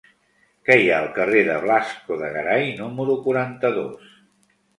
Què hi ha al carrer de Blasco de Garay número quaranta-dos?